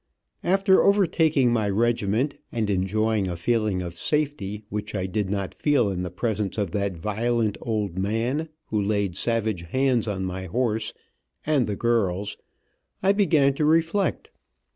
After overtaking my regiment, and enjoying a feeling of safety which I did not feel in the presence of that violent old man who laid savage hands on my horse, and the girls, I began to reflect.